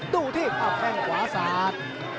ตู้ที่เอาแข้งขวาศาสตร์